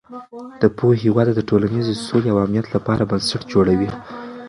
د پوهې وده د ټولنیزې سولې او امنیت لپاره بنسټ جوړوي.